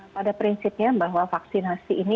pada prinsipnya bahwa vaksinasi ini